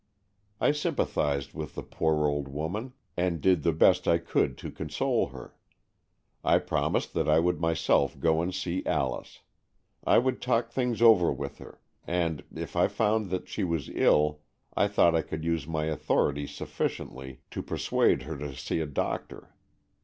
I sympathized with the poor old woman, and did the best I could to console her. I promised that I would myself go and see Alice. I would talk things over with her, and, if I found that she was ill, I thought I could use my authority sufficiently to per 150 AN EXCHANGE OF SOULS suade her to see a doctor.